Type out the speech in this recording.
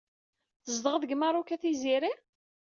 Tzedɣeḍ deg Meṛṛuk a Tiziri?